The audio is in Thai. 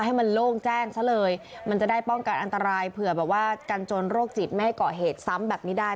ให้มันโล่งแจ้งซะเลยมันจะได้ป้องกันอันตรายเผื่อแบบว่ากันจนโรคจิตไม่ให้เกาะเหตุซ้ำแบบนี้ได้